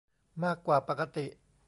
มากกว่าปกติ